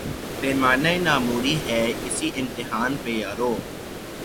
پیمان ء ناموری ہے، اسی امتحاں پہ یارو